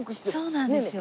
そうなんですよ